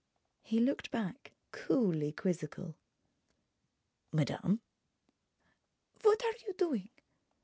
He looked back, coolly quizzical. "Madame?" "What are you doing?"